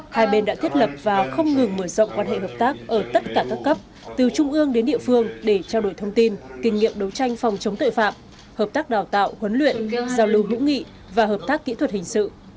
hai bên đã thiết lập và không ngừng mở rộng quan hệ hợp tác ở tất cả các cấp từ trung ương đến địa phương để trao đổi thông tin kinh nghiệm đấu tranh phòng chống tội phạm hợp tác đào tạo huấn luyện giao lưu hữu nghị và hợp tác kỹ thuật hình sự